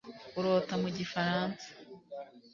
urota mu gifaransa